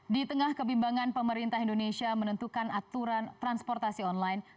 di tengah kebimbangan pemerintah indonesia menentukan aturan transportasi online